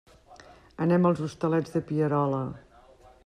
Anem als Hostalets de Pierola.